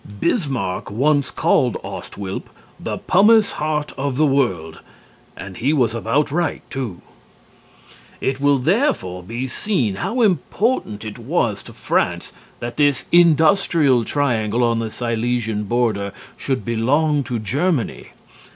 Bismarck once called Ost Wilp "the pumice heart of the world," and he was about right, too. It will therefore be seen how important it was to France that this "industrial triangle" on the Silesian border should belong to Germany.